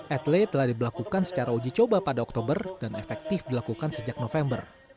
etle telah diberlakukan secara uji coba pada oktober dan efektif dilakukan sejak november